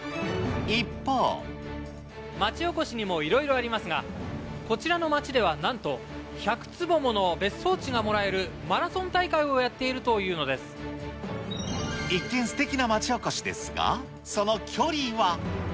町おこしにもいろいろありますが、こちらの町ではなんと１００坪もの別荘地がもらえるマラソン大会一見、すてきな町おこしですが、その距離は。